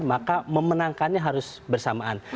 maka memenangkannya harus bersamaan